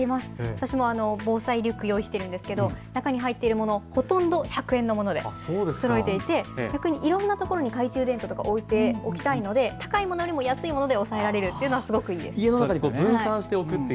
私も防災リュックを用意しているんですが中に入っているものほとんど１００円のものでそろえていていろんな所に懐中電灯とかを置いておきたいので高いものよりも安いもので抑えられるというのはいいです。